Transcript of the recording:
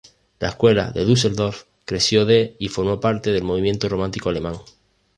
La escuela de Düsseldorf creció de y formó parte del movimiento romántico alemán.